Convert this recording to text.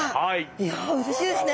いやうれしいですね。